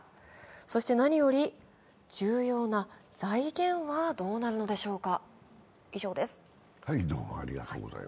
そして何より重要な財源はどうなるのでしょうか。